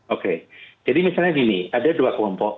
oke jadi misalnya gini ada dua kelompok